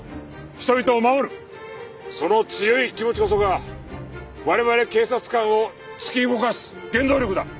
その強い気持ちこそが我々警察官を突き動かす原動力だ。